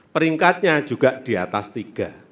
peringkatnya juga di atas tiga